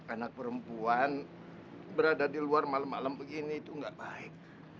anak perempuan berada di luar malam malam begini itu nggak baik